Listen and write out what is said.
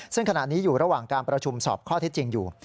ซึ่งขณะนี้อยู่ระหว่างการประชุมสอบข้อเท็จจริงอยู่